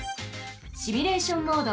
シミュレーション・モード。